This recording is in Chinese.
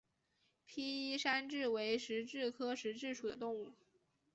被衣山蛭为石蛭科石蛭属的动物。